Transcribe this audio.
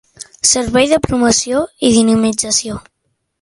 Servei de Promoció i Dinamització.